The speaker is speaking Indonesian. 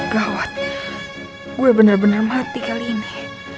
gawat gue bener bener mati kali ini